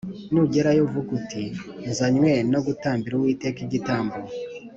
nugerayo uvuge uti ‘Nzanywe no gutambira Uwiteka igitambo.’